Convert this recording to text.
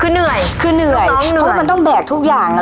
คือเหนื่อยคือเหนื่อยลูกน้องเหนื่อยเพราะว่ามันต้องแบกทุกอย่างอะไร